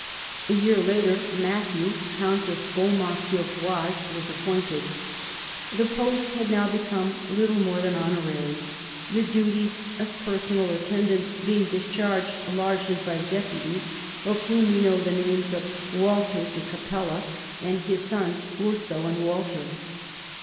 A year later Matthew, count of Beau mont sur Oise, was appointed. The post had now become little more than honorary — the duties of personal attendance being discharged largely by deputies, of whom we know the names of Walter de Capella, and his sons Urso and Walter.